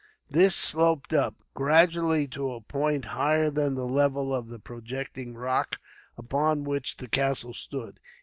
This sloped up, gradually, to a point higher than the level of the projecting rock upon which the castle stood.